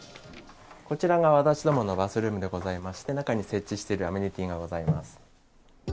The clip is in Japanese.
こちらが私どものバスルームでございまして、中に設置しているアメニティーがございます。